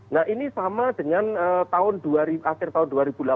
nah ini sama dengan akhir tahun dua ribu delapan belas